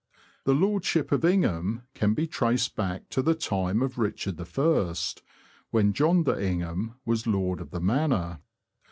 The lordship of Ingham can be traced back to the time of Richard I., when John de Ingham was lord of the manor.